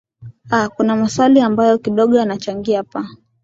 aa kuna maswala ambayo kidogo yanachangia pa